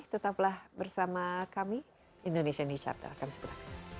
tetaplah bersama kami indonesian new chapter akan segera